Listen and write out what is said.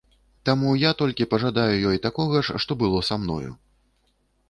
Таму я толькі пажадаю ёй такога ж, што было са мною.